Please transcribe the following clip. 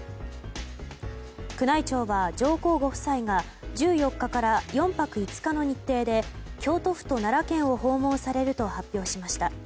宮内庁は、上皇ご夫妻が１４日から４泊５日の日程で京都府と奈良県を訪問されると発表しました。